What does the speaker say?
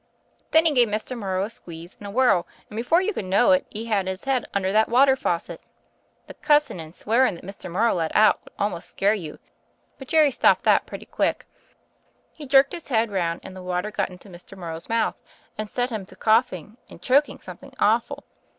"Then he gave Mr. Morrow a squeeze and a whirl, and before you could know it he had his head under that water faucet. The cussin' and swearin' that Mr. Morrow let out would al most scare you; but Jerry stopped that pretty quick. He jerked his head round, and the water got into Mr. Morrow's mouth and set him to coughing and choking something awful.